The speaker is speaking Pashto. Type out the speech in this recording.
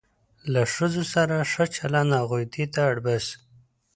له ښځو سره ښه چلند هغوی دې ته اړ باسي.